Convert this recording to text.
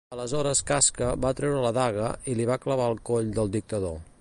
Aleshores Casca va treure la daga i la va clavar al coll del dictador.